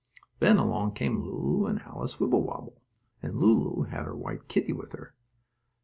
Then along came Lulu and Alice Wibblewobble, and Lulu had her white kittie with her.